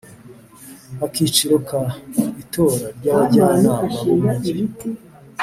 Akiciro ka Itora ry abajyanama b Umujyi